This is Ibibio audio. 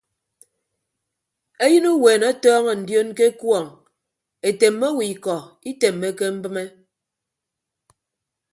Eyịn uweene ọtọọñọ ndioon ke ekuọñ etemme owo ikọ itemmeke mbịme.